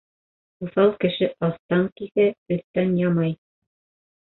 Уҫал кеше аҫтан киҫә, өҫтән ямай.